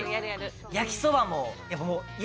焼きそばも。